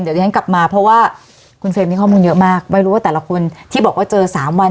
เดี๋ยวที่ฉันกลับมาเพราะว่าคุณเฟรมมีข้อมูลเยอะมากไม่รู้ว่าแต่ละคนที่บอกว่าเจอสามวัน